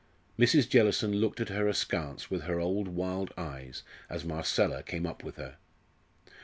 Mrs. Jellison looked at her askance with her old wild eyes as Marcella came up with her.